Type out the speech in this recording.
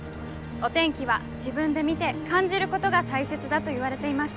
お天気は自分で見て感じることが大切だといわれています。